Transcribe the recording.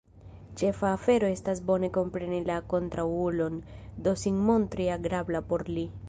Ĉefa afero estas bone kompreni la kontraŭulon, do sin montri agrabla por li...